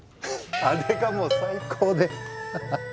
あれがもう最高でははっ。